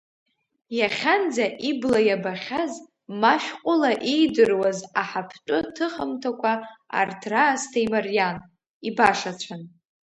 Иахьанӡа ибла иабахьаз, ма шәҟәыла иидыруаз аҳаԥтәы ҭыхымҭақәа арҭ раасҭа имариан, ибашацәан.